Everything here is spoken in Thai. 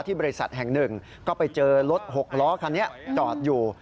บริษัทแห่งหนึ่งก็ไปเจอรถหกล้อคันนี้จอดอยู่